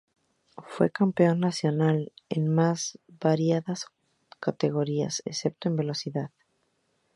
Fue campeón nacional en las más variadas categorías, excepto en velocidad.